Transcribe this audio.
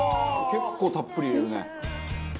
結構たっぷり入れるね」